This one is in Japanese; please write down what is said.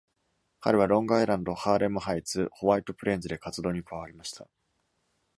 彼はロングアイランド、ハーレムハイツ、ホワイト・プレーンズで活動に加わりました。